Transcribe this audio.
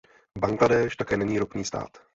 Bangladéš také není ropný stát.